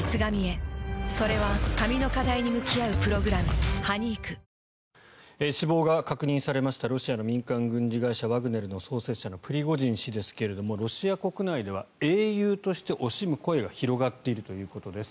あまりにも急速にしかも乱暴な形でワグネルが大きくなっていったので死亡が確認されましたロシアの民間軍事会社ワグネルの創設者のプリゴジン氏ですがロシア国内では英雄として惜しむ声が広がっているということです。